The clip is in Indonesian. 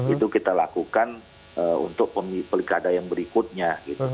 itu kita lakukan untuk pelikada yang berikutnya